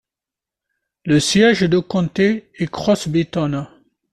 Le siège du comté est Crosbyton.